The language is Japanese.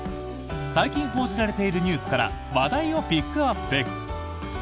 最近報じられているニュースから話題をピックアップ！